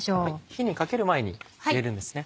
火にかける前に入れるんですね。